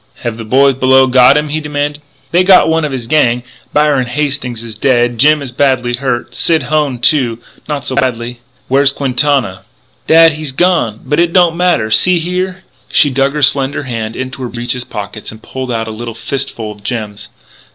"Have the boys below got him?" he demanded. "They got one of his gang. Byron Hastings is dead. Jim is badly hurt; Sid Hone, too, not so badly " "Where's Quintana?" "Dad, he's gone.... But it don't matter. See here! " She dug her slender hand into her breeches' pocket and pulled out a little fistful of gems.